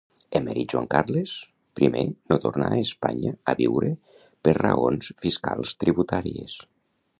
Emèrit Joan Carles I no torna a Espanya a viure per raons fiscals tributàries